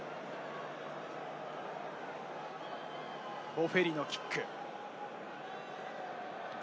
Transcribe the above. ボフェリのキック。